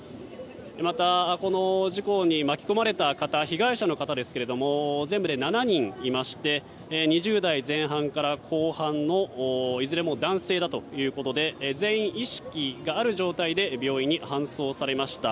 また、この事故に巻き込まれた方被害者の方ですけれども全部で７人いまして２０代前半から後半のいずれも男性だということで全員、意識がある状態で病院に搬送されました。